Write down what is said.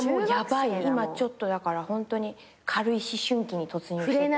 今ちょっとだからホントに軽い思春期に突入してて。